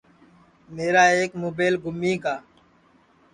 میرا ایک مُبیل گُمی گا